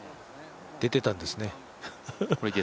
出てたんですね。